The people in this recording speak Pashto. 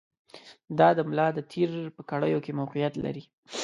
دا د ملا د تېر په کړیو کې موقعیت لري.